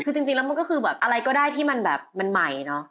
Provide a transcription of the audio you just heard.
คือจริงแล้วมันก็คือแบบอะไรก็ได้ที่มันแบบมันใหม่เนอะ